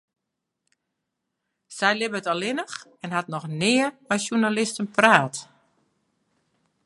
Sy libbet allinnich en hat noch nea mei sjoernalisten praat.